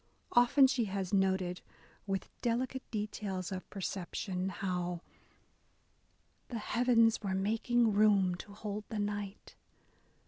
Often she has noted, with delicate details of perception, how The heavens were making room to hold the night.